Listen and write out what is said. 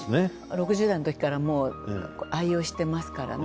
６０代のときからもう愛用してますからね。